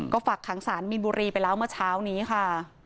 ก็ฝักขังสารมีนบุรีไปแล้วเมื่อเช้านี้ค่ะ